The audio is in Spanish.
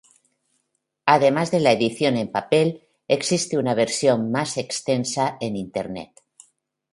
Además de la edición en papel existe una versión más extensa en Internet.